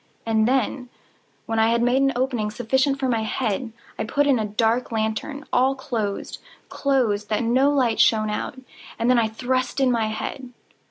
And then, when I had made an opening sufficient for my head, I put in a dark lantern, all closed, closed, that no light shone out, and then I thrust in my head.